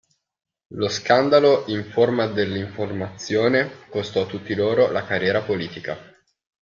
Lo Scandalo Informadell'Informazione costò a tutti loro la carriera politica.